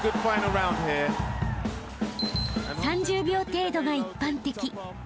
［３０秒程度が一般的］